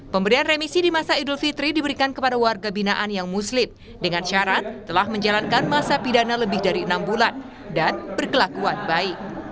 pemberian remisi di masa idul fitri diberikan kepada warga binaan yang muslim dengan syarat telah menjalankan masa pidana lebih dari enam bulan dan berkelakuan baik